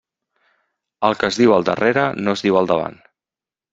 El que es diu al darrere no es diu al davant.